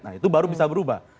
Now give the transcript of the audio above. nah itu baru bisa berubah